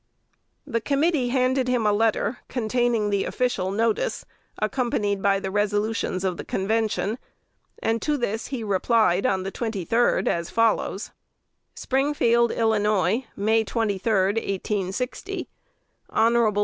The Committee handed him a letter containing the official notice, accompanied by the resolutions of the Convention; and to this he replied on the 23d as follows: Springfield, Ill, May 23,1860. Hon.